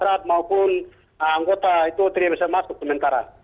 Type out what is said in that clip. kalau matrat maupun anggota itu tidak bisa masuk sementara